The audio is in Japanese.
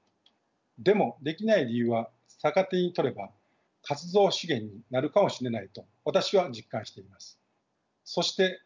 でもできない理由は逆手にとれば活動資源になるかもしれないと私は実感しています。